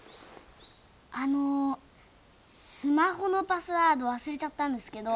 あのスマホのパスワード忘れちゃったんですけど。